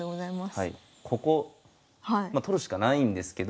ここ取るしかないんですけど。